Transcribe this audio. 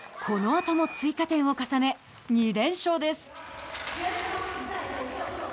このあとも追加点を重ね２連勝です。